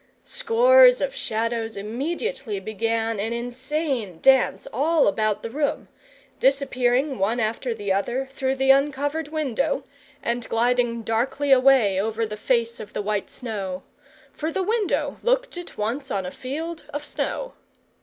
Scores of Shadows immediately began an insane dance all about the room; disappearing, one after the other, through the uncovered window, and gliding darkly away over the face of the white snow; for the window looked at once on a field of snow.